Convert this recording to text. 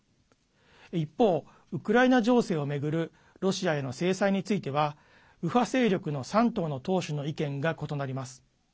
一方、ウクライナ情勢を巡るロシアへの制裁については右派勢力の３党の党首の意見が異なります。